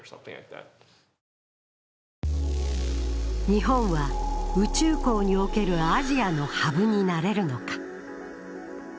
日本は宇宙港におけるアジアのハブになれるのか。